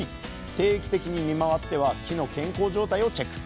定期的に見回っては木の健康状態をチェック。